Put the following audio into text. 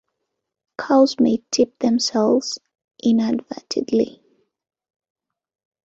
Cows may tip themselves inadvertently.